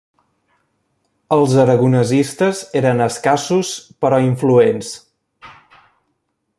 Els aragonesistes eren escassos, però influents.